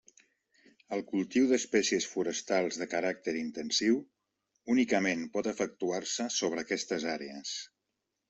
El cultiu d'espècies forestals de caràcter intensiu únicament pot efectuar-se sobre aquestes àrees.